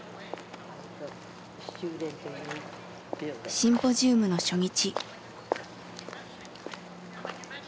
シンポジウムの初日。